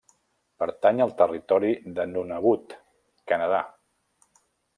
Pertany al territori de Nunavut, Canadà.